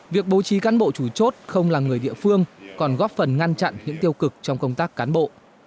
việc bố trí cán bộ chủ chốt không là người địa phương còn góp phần ngăn chặn những tiêu cực trong công tác cán bộ